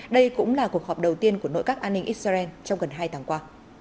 đây cũng là cuộc họp đầu tiên của nội các an ninh israel trong gần hai tháng qua